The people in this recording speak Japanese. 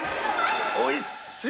おいしっ！